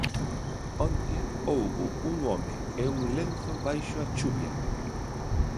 onte houbo un home e un lenzo baixo a chuvia.